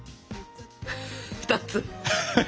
２つ？